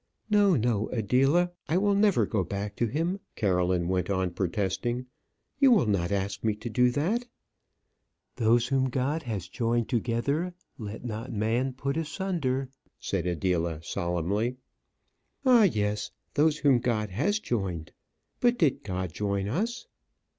"No, no, Adela, I will never go back to him." Caroline went on protesting; "you will not ask me to do that?" "Those whom God has joined together, let not man put asunder," said Adela, solemnly. "Ah, yes; those whom God has joined. But did God join us?"